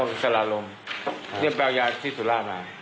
แล้วก็สลารมเราก็เอายาที่สุราณมา